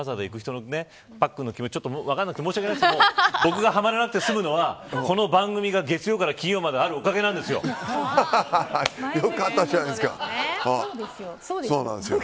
僕も渋滞にはまりに、わざわざ行くパックンの気持ち分からなくて申し訳ないですけど僕がはまらなくて済むのはこの番組が月曜から金曜まであるおかげなんですよ。よかったじゃないですか。